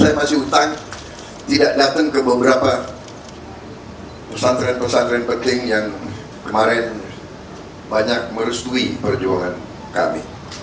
saya kasih hutang tidak datang ke beberapa pesantren pesantren penting yang kemarin banyak merestui perjuangan kami